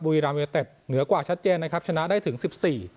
รามยูเต็ดเหนือกว่าชัดเจนนะครับชนะได้ถึงสิบสี่